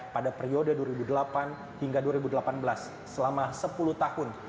pada periode dua ribu delapan hingga dua ribu delapan belas selama sepuluh tahun